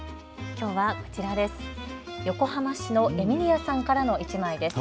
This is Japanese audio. きょうはこちらです。